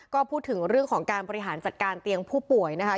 ก็พูดถึงเรื่องของการบริหารจัดการเตียงผู้ป่วยนะคะ